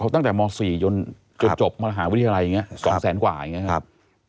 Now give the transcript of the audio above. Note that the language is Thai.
ตั้งแต่ม๔จนจบมหาวิทยาลัยอย่างนี้๒แสนกว่าอย่างนี้ครับ